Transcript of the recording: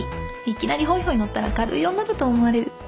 いきなりホイホイ乗ったら軽い女だと思われる。